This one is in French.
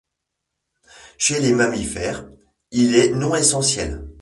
Chez les mammifères, il est non essentiel.